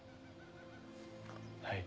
はい。